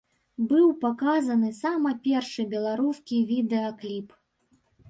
Быў паказаны сама першы беларускі відэакліп.